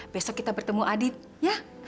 besok kita bertemu adit ya